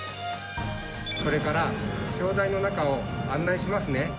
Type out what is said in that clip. これから気象台の中を案内しますね。